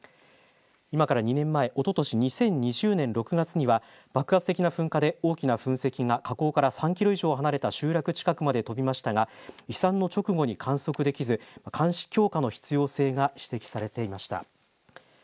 今から２年前、おととし２０２０年６月には爆発的な噴火で大きな噴石が火口から３キロ以上離れた集落近くまで飛びましたが飛散の直後に観測できず監視強化の必要性が指摘されていました。